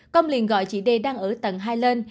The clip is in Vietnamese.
công liền gọi chị d đang ở tầng hai lên